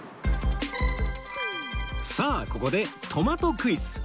さあここでトマトクイズ